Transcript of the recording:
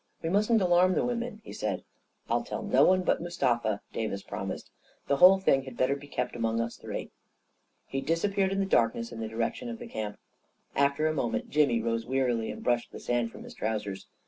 We mustn't alarm the women," he said. " I'll tell no one but Mustafa," Davis promised. 44 The whole thing had better be kept among us three." He disappeared in the darkness in the direction of the camp. After a moment Jimmy rose wearily and brushed the sand from his trousers.